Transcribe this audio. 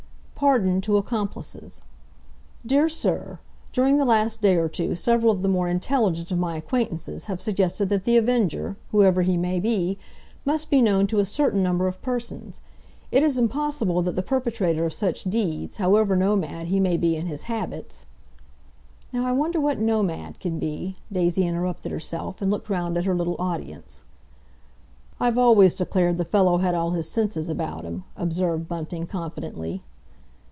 "PARDON TO ACCOMPLICES. "DEAR SIR—During the last day or two several of the more Intelligent of my acquaintances have suggested that The Avenger, whoever he may be, must be known to a certain number of persons. It is impossible that the perpetrator of such deeds, however nomad he may be in his habits—" "Now I wonder what 'nomad' can be?" Daisy interrupted herself, and looked round at her little audience. "I've always declared the fellow had all his senses about him," observed Bunting confidently.